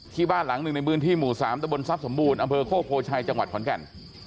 ที่บ้านหลังหนึ่งในพื้นที่หมู่๓ตะบนทรัพย์สมบูรณ์อำเภอโคกโพชัยจังหวัดขอนแก่น